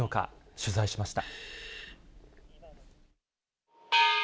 取材しました。